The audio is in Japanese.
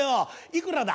いくらだ？